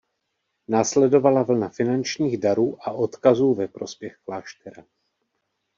Následovala vlna finančních darů a odkazů ve prospěch kláštera.